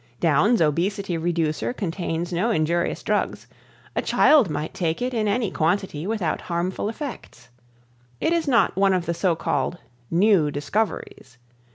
Downs' Obesity Reducer contains no injurious drugs; a child might take it in any quantity without harmful effects. It is not one of the so called "new discoveries."